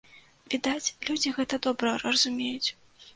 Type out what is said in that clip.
Відаць, людзі гэта добра разумеюць.